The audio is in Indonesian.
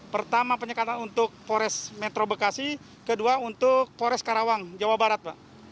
pertama penyekatan untuk polres metro bekasi kedua untuk polres karawang jawa barat pak